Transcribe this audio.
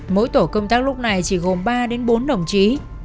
mỗi tổ công tác lúc này chỉ gồm ba bốn đồng chí